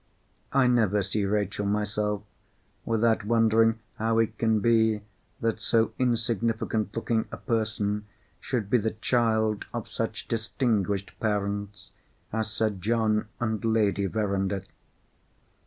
I never see Rachel myself without wondering how it can be that so insignificant looking a person should be the child of such distinguished parents as Sir John and Lady Verinder.